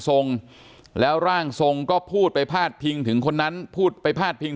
ทรงแล้วร่างทรงก็พูดไปพาดพิงถึงคนนั้นพูดไปพาดพิง